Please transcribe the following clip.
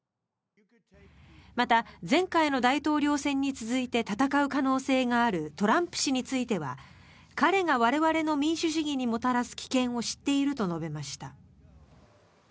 また、前回の大統領選に続いて戦う可能性があるトランプ氏については彼が我々の民主主義にもたらす危険を知っていると述べました。